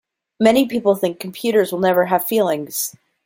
Many people think computers will never have feelings.